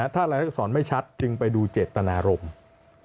ถ้ารายละอักษรไม่ชัดจึงไปดูเจตนารมณ์